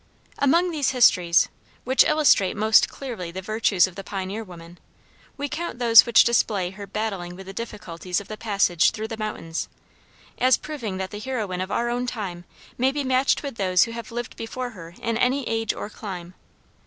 Among these histories, which illustrate most clearly the virtues of the pioneer women, we count those which display her battling with the difficulties of the passage through the mountains, as proving that the heroine of our own time may be matched with those who have lived before her in any age or clime.